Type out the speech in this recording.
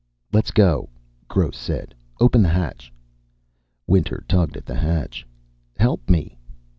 "Let's go!" Gross said. "Open the hatch." Winter tugged at the hatch. "Help me."